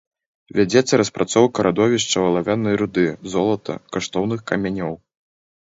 Вядзецца распрацоўка радовішчаў алавянай руды, золата, каштоўных камянёў.